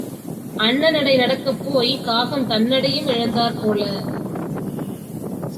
அன்ன நடை நடக்கப் போய்க் காகம் தன் நடையும் இழந்தாற் போல.